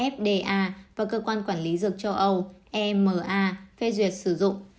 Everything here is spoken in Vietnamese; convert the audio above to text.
fda và cơ quan quản lý dược châu âu ema phê duyệt sử dụng